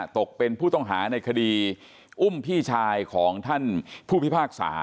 ตกเป็นผู้ต้องหาในคดีอุ้มพี่ชายของท่านผู้พิพากษา